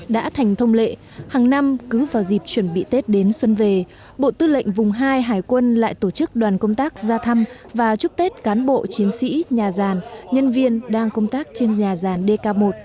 đã thành thông lệ hàng năm cứ vào dịp chuẩn bị tết đến xuân về bộ tư lệnh vùng hai hải quân lại tổ chức đoàn công tác ra thăm và chúc tết cán bộ chiến sĩ nhà giàn nhân viên đang công tác trên nhà giàn dk một